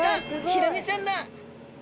ヒラメちゃんだ！